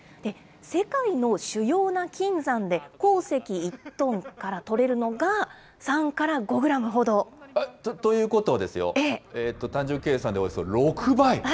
世界の主要な金山で鉱石１トンから採れるのが、３から５グラムほど。ということはですよ、単純計算でいいますと、およそ６倍？